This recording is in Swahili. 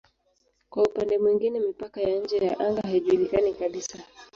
Kwa upande mwingine mipaka ya nje ya anga haijulikani kabisa.